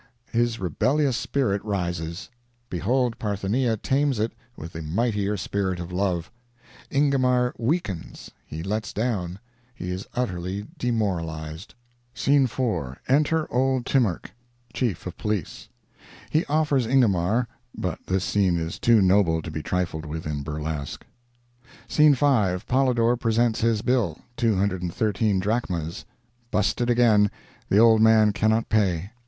His rebellious spirit rises. Behold Parthenia tames it with the mightier spirit of Love. Ingomar weakens—he lets down—he is utterly demoralized. Scene 4.—Enter old Timarch, Chief of Police. He offers Ingomar—but this scene is too noble to be trifled with in burlesque. Scene 5.—Polydor presents his bill—213 drachmas. Busted again—the old man cannot pay.